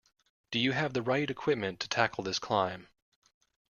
Do we have the right equipment to tackle this climb?